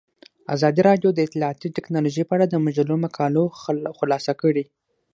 ازادي راډیو د اطلاعاتی تکنالوژي په اړه د مجلو مقالو خلاصه کړې.